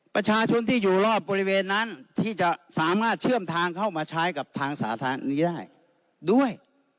ประชาชนที่อยู่รอบบริเวณนั้นที่จะสามารถเชื่อมทางเข้ามาใช้กับทางสาธารณะนี้ได้ด้วย